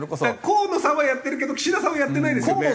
河野さんはやってるけど岸田さんはやってないですよね？